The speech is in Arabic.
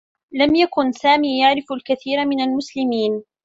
لم يكن سامي يعرف الكثير من المسلمين.